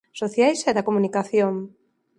Sociais e da comunicación.